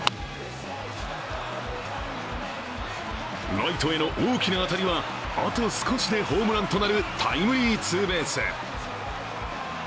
ライトへの大きな当たりはあと少しでホームランとなるタイムリーツーベース。